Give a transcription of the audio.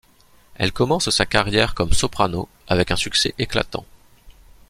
Elle commence sa carrière comme soprano avec un succès éclatant.